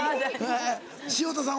潮田さん